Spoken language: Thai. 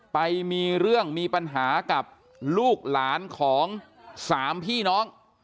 ไปมีเรื่องมีปัญหากับลูกหลานของสามพี่น้อง